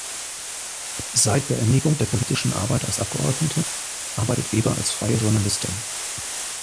Seit Beendigung der politischen Arbeit als Abgeordnete arbeitet Weber als freie Journalistin.